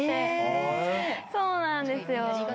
そうなんですよ。